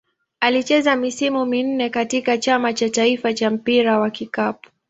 Alicheza misimu minne katika Chama cha taifa cha mpira wa kikapu.